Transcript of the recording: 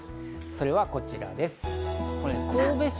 それがこちらです。